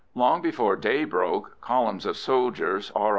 Long before day broke columns of soldiers, R.